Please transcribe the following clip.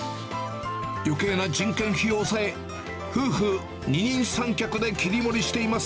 よけいな人件費を抑え、夫婦二人三脚で切り盛りしています。